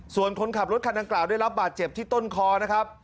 ส่วนคนขับรถคันดังกล่าวได้รับบาดเจ็บที่ต้นคอนะครับ